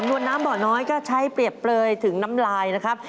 วนน้ำเบาะน้อยก็ใช้เปรียบเปลยถึงน้ำลายนะครับ